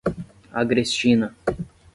Agrestina